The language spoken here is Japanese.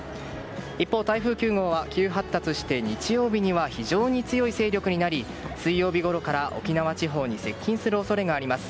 一方、台風９号は急発達して日曜日には非常に強い勢力になり水曜日ごろから沖縄地方に接近する恐れがあります。